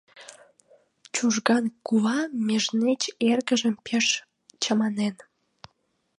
Чужган кува межнеч эргыжым пеш чаманен.